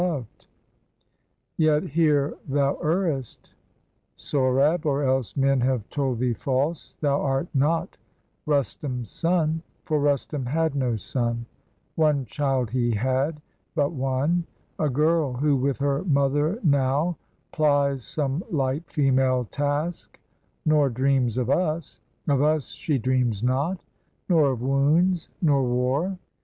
285 PERSIA Yet here thou errest, Sohrab, or else men Have told thee false: thou art not Rustum's son, For Rustum had no son; one child he had, But one: a girl who with her mother now Plies some Ught female task, nor dreams of us; Of us she dreams not, nor of wounds, nor war."